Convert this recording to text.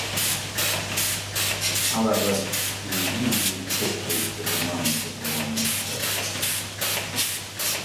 However, he is usually depicted as a man with a lion head.